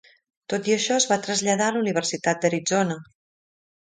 Tot i això, es va traslladar a la Universitat d'Arizona.